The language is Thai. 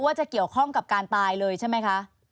ว่าจะเกี่ยวข้องกับการตายเลยใช่ไหมคะ